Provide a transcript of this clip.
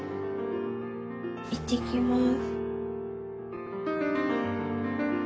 いってきます。